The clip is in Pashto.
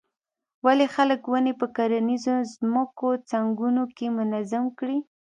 ولې خلک ونې په کرنیزو ځمکو څنګونو کې منظم کري.